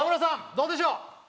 どうでしょう？